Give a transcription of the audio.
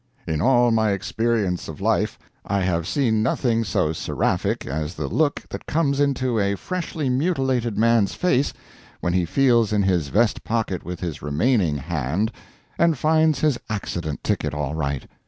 In all my experience of life, I have seen nothing so seraphic as the look that comes into a freshly mutilated man's face when he feels in his vest pocket with his remaining hand and finds his accident ticket all right.